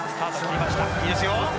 いいですよ！